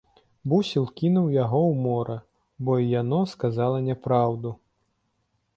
Бусел кінуў яго ў мора, бо й яно сказала няпраўду.